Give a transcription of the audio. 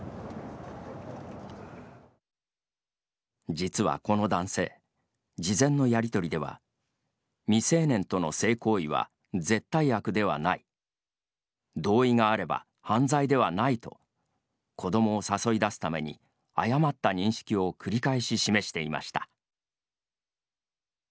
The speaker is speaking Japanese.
実は、この男性事前のやり取りでは「未成年との性行為は絶対悪ではない」「同意があれば犯罪ではない」と子どもを誘い出すために誤った認識を繰り返し示していました。